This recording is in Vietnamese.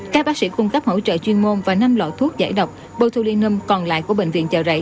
các bác sĩ cung cấp hỗ trợ chuyên môn và năm loại thuốc giải độc botulinum còn lại của bệnh viện chợ rẫy